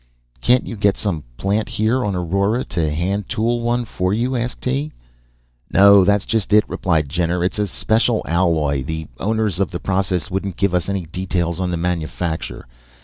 "Can't you get some plant here on Aurora to hand tool one for you?" asked Tee. "No, that's just it," replied Jenner. "It's a special alloy. The owners of the process wouldn't give us any details on the manufacture.